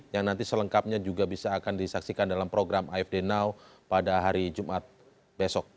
yang nanti selengkapnya juga bisa akan disaksikan dalam program afd now pada hari jumat besok